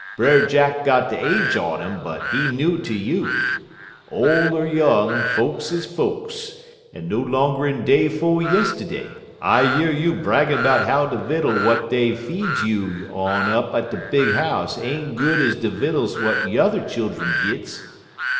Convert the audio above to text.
Brer Jack got de age on 'im but he new ter you. Ole er young, folks is folks, en no longer'n day 'fo' yistiddy, I year you braggin' 'bout how de vittles w'at dey feeds you on up at de big house ain't good ez de vittles w'at yuther childun gits.